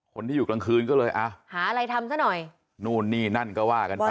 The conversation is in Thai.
คนที่อยู่กลางคืนก็เลยอ่ะหาอะไรทำซะหน่อยนู่นนี่นั่นก็ว่ากันไป